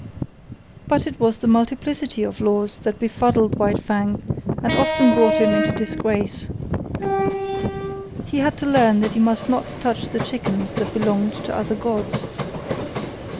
But it was the multiplicity of laws that befuddled White Fang and often brought him into disgrace. He had to learn that he must not touch the chickens that belonged to other gods.